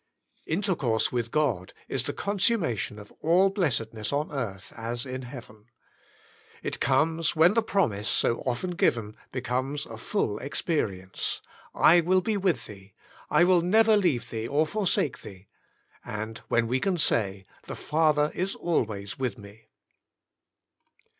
Intercourse with God is the consummation of all blessedness on earth as in heaven. It comes when the promise, so often given, becomes a full experience: I will be with thee, I will never leave thee or forsake thee, and when we can say: The Father is always with me.